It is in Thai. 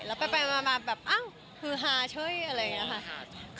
แล้วไปมาเรียบอ่ะขื้อฮาเช่ยอะไรอย่างนี้นะคะ